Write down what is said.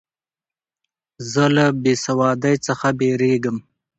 زه له بېسوادۍ څخه بېریږم.